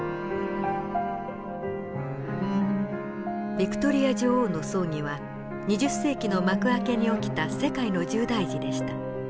ヴィクトリア女王の葬儀は２０世紀の幕開けに起きた世界の重大事でした。